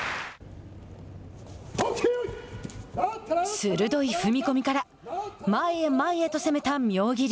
鋭い踏み込みから前へ前へと攻めた妙義龍。